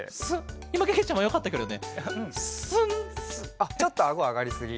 あっちょっとあごあがりすぎ。